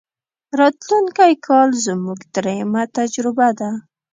راتلونکی کال زموږ درېمه تجربه ده.